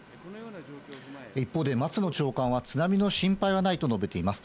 一方で、松野長官は津波の心配はないと述べています。